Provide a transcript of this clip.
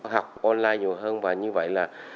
học online nhiều hơn và như vậy là